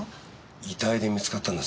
遺体で見つかったんです。